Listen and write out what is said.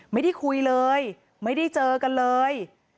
ไม่ได้คุยเลยไม่ได้เจอกันเลย